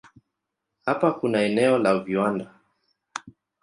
Hapa kuna eneo la viwanda.